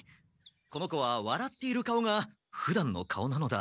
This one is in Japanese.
この子はわらっている顔がふだんの顔なのだ。